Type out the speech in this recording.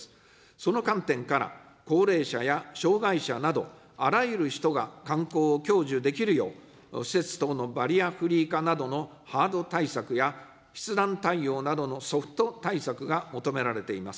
その観点から、高齢者や障がい者など、あらゆる人が観光を享受できるよう、施設等のバリアフリー化などのハード対策や筆談対応などのソフト対策が求められています。